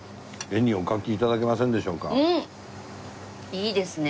いいですね。